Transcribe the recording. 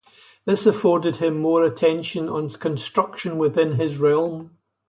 This afforded him more attention on construction within his realm.